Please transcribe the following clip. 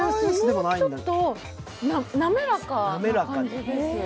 もうちょっと滑らかな感じですね。